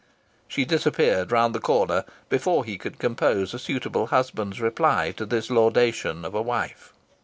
She disappeared round the corner before he could compose a suitable husband's reply to this laudation of a wife.